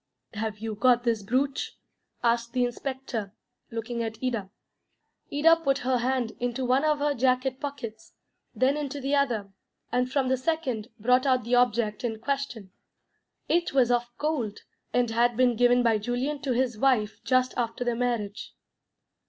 "Have you got this brooch?" asked the inspector, looking at Ida. Ida put her hand into one of her jacket pockets, then into the other, and from the second brought out the object in question. It was of gold, and had been given by Julian to his wife just after their marriage.